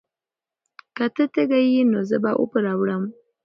که ته تږی یې، نو زه به اوبه راوړم.